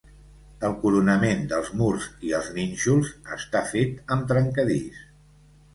El coronament dels murs i els nínxols està fet amb trencadís.